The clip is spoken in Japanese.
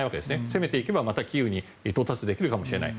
攻めていけば、またキーウに到達できるかもしれない。